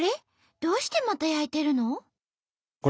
どうしてまた焼いてるの？